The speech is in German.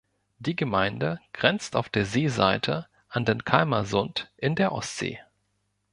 Die Gemeinde grenzt auf der Seeseite an den Kalmarsund in der Ostsee.